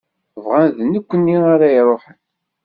Bɣan d nekni ara iruḥen.